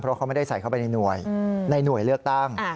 เพราะเขาไม่ได้ใส่เข้าไปในหน่วยในหน่วยเลือกตั้ง